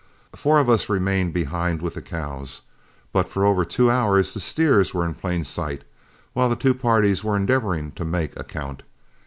Four of us remained behind with the cows, but for over two hours the steers were in plain sight, while the two parties were endeavoring to make a count.